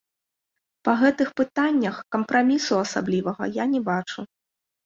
Па гэтых пытаннях кампрамісу асаблівага я не бачу.